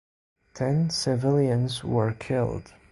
Ten civilians were killed.